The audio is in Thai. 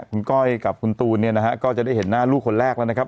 คุณก้อยกับคุณตูนเนี่ยนะฮะก็จะได้เห็นหน้าลูกคนแรกแล้วนะครับ